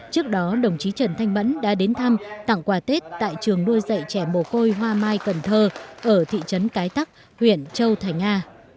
trước đó đồng chí trần thanh mẫn đã đến thăm tặng quà tết tại trường nuôi dạy trẻ mồ côi hoa mai cần thơ ở thị trấn cái tắc huyện châu thành a